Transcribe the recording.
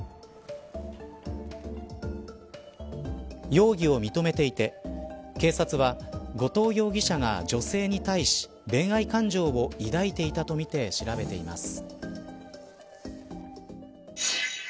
容疑を認めていて警察は後藤容疑者が女性に対し恋愛感情を抱いていたとみて調べています。